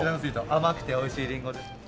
甘くて美味しいリンゴです。